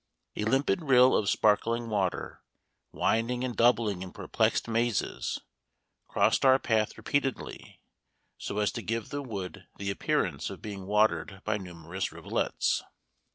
A limpid rill of sparkling water, winding and doubling in perplexed mazes, crossed our path repeatedly, so as to give the wood the appearance of being watered by numerous rivulets.